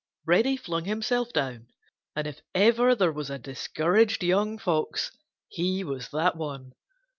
Reddy flung himself down, and if ever there was a discouraged young Fox he was that one.